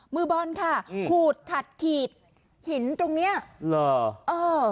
มือบอลค่ะขูดขัดขีดหินตรงเนี้ยเหรอเออ